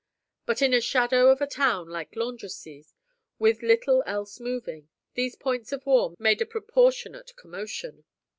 But in a shadow of a town like Landrecies, with little else moving, these points of war made a proportionate commotion.